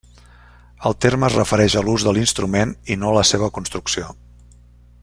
El terme es refereix a l'ús de l'instrument i no a la seva construcció.